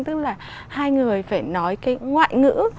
tức là hai người phải nói cái ngoại ngữ